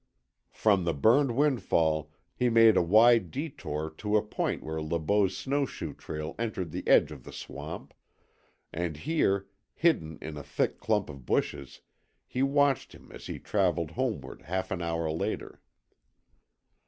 From the burned windfall he made a wide detour to a point where Le Beau's snowshoe trail entered the edge of the swamp; and here, hidden in a thick clump of bushes, he watched him as he travelled homeward half an hour later.